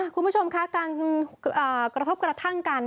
คุณผู้ชมคะการกระทบกระทั่งกัน